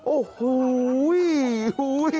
โอ้โห